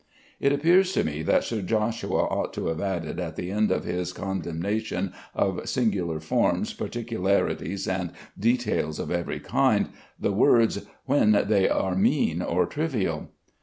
It appears to me that Sir Joshua ought to have added at the end of his condemnation of "singular forms, particularities, and details of every kind," the words, "when they are mean or trivial."